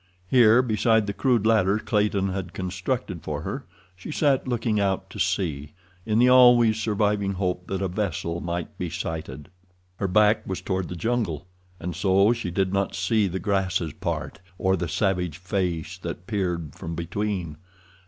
Here, beside the crude ladder Clayton had constructed for her, she sat looking out to sea, in the always surviving hope that a vessel might be sighted. Her back was toward the jungle, and so she did not see the grasses part, or the savage face that peered from between.